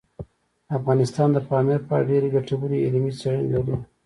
افغانستان د پامیر په اړه ډېرې ګټورې علمي څېړنې لري.